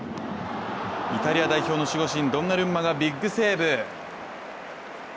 イタリア代表の守護神、ドンナルンマがビッグセーブ。